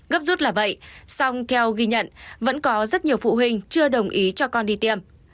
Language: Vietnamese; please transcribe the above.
gấp rút là vậy song theo ghi nhận vẫn có rất nhiều phụ huynh chưa đồng ý cho con đi tiêm